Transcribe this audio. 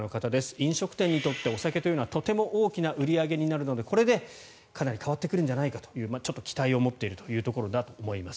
飲食店にとってお酒というのはとても大きな売り上げになるのでこれでかなり変わってくるんじゃないかと期待を持っているということだと思います。